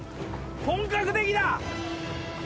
・本格的だ！